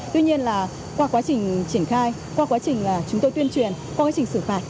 tuy nhiên qua quá trình triển khai qua quá trình chúng tôi tuyên truyền qua quá trình xử phạt